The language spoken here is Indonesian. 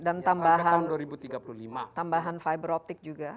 dan tambahan fiber optic juga